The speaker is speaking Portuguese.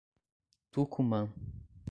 Tucumã